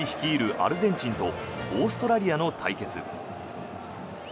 アルゼンチンとオーストラリアの対決。